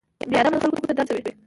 بې ادبه چلند خلکو ته درد رسوي.